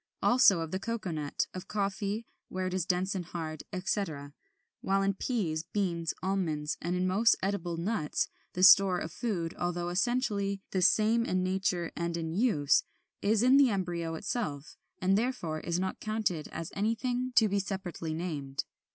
Also of the cocoa nut, of coffee (where it is dense and hard), etc.; while in peas, beans, almonds, and in most edible nuts, the store of food, although essentially the same in nature and in use, is in the embryo itself, and therefore is not counted as anything to be separately named.